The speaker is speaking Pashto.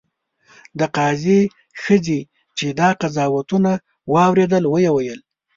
د قاضي ښځې چې دا قضاوتونه واورېدل ویې ویل.